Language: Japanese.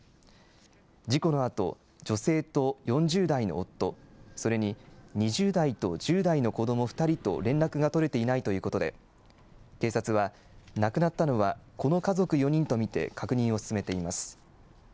事故のあと、女性と４０代の夫、それに２０代と１０代の子ども２人と連絡が取れていないということで、警察は亡くなったのはこの家族４人と見て、確認を進めています。